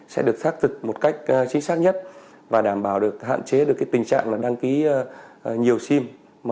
sẽ được xác thực một cách chính xác nhất và đảm bảo được hạn chế được tình trạng đăng ký nhiều sim